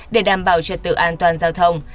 để đảm bảo trật tự an toàn giao thông